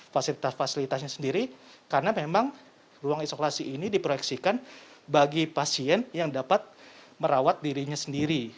fasilitas fasilitasnya sendiri karena memang ruang isolasi ini diproyeksikan bagi pasien yang dapat merawat dirinya sendiri